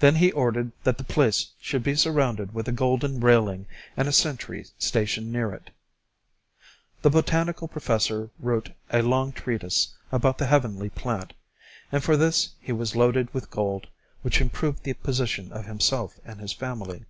Then he ordered that the place should be surrounded with a golden railing, and a sentry stationed near it. The botanical professor wrote a long treatise about the heavenly plant, and for this he was loaded with gold, which improved the position of himself and his family.